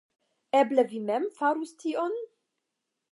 Eble vi mem farus tion?